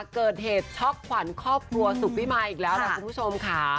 เกิดเหตุช็อกขวัญครอบครัวสุขวิมายอีกแล้วล่ะคุณผู้ชมค่ะ